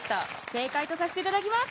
正解とさせていただきます！